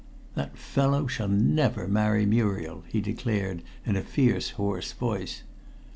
"That fellow shall never marry Muriel," he declared in a fierce, hoarse voice.